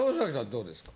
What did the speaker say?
どうですか？